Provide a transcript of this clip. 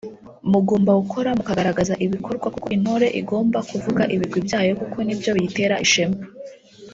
mugomba gukora mukagaragaza ibikorwa kuko intore igomba kuvuga ibigwi byayo kuko ni byo biyitera ishema